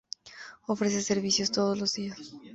Ofrece servicios todos los días.